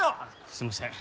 すいません。